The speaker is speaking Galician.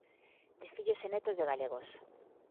De fillos e netos de galegos.